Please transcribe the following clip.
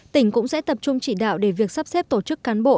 tỉnh cũng sẽ tập trung chỉ đạo để việc sắp xếp tổ chức cán bộ